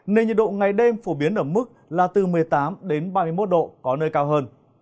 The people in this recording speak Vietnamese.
nên nhiệt độ ngày đêm phổ biến ở mức là từ một mươi tám đến ba mươi một độ có nơi cao hơn